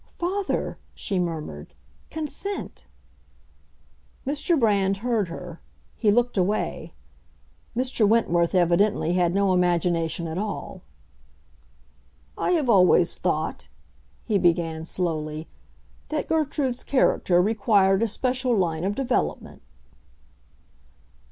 "Father," she murmured, "consent!" Mr. Brand heard her; he looked away. Mr. Wentworth, evidently, had no imagination at all. "I have always thought," he began, slowly, "that Gertrude's character required a special line of development."